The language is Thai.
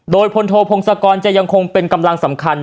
โดยพลโทพงศกรจะยังคงเป็นกำลังสำคัญ